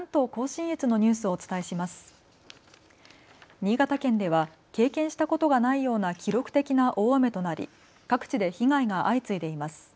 新潟県では経験したことがないような記録的な大雨となり各地で被害が相次いでいます。